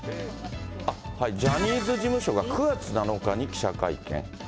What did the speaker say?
ジャニーズ事務所が９月７日に記者会見。